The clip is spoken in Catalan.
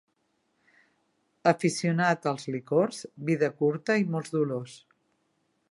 Aficionat als licors, vida curta i molts dolors.